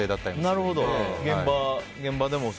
現場でも？